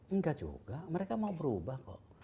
enggak juga mereka mau berubah kok